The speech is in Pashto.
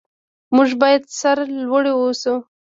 موږ باید سرلوړي اوسو.